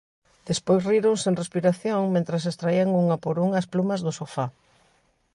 Despois riron sen respiración mentres extraían unha por unha as plumas do sofá.